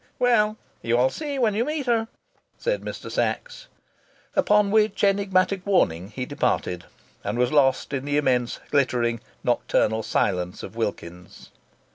"Well, you'll see when you meet her," said Mr. Sachs. Upon which enigmatic warning he departed, and was lost in the immense glittering nocturnal silence of Wilkins's.